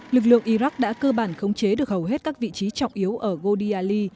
lực lượng iraq đã cơ bản khống chế được hầu hết các vị trí trọng yếu ở ghodi ali